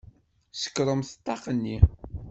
Sekkṛemt ṭṭaq-nni!